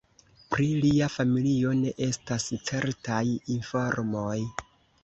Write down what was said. Pri lia familio ne estas certaj informoj.